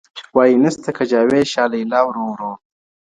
وايي نسته كجاوې شا ليلا ورو ورو.